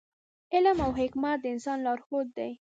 علم او حکمت د انسان لارښود دی.